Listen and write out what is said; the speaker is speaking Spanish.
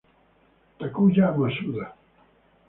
Takuya Masuda